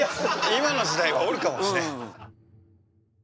今の時代はおるかもしれへん。